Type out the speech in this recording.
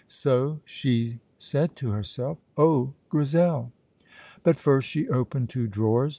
So she said to herself. Oh, Grizel! But first she opened two drawers.